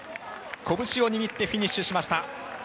こぶしを握ってフィニッシュしました。